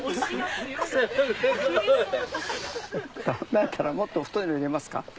だったらもっと太いの入れますか？